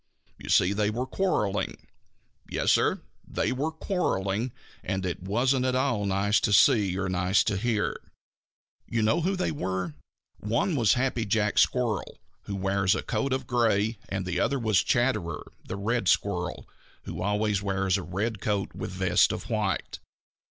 You see they were quarreling. Yes, Sir, they were quarreling, and it wasn't at all nice to see or nice to hear. You know who they were. One was Happy Jack Squirrel, who wears a coat of gray, and the other was Chatterer the Red Squirrel, who always wears a red coat with vest of white.